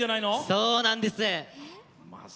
そうなんです！